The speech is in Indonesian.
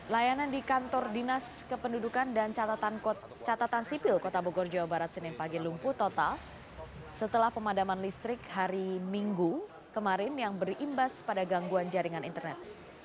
layanan di kantor dinas kependudukan dan catatan sipil kota bogor jawa barat senin pagi lumpuh total setelah pemadaman listrik hari minggu kemarin yang berimbas pada gangguan jaringan internet